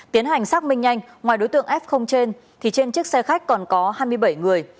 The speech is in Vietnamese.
tiến hành xác minh nhanh ngoài đối tượng f trên thì trên chiếc xe khách còn có hai mươi bảy người